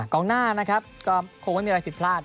กองหน้านะครับก็คงไม่มีอะไรผิดพลาด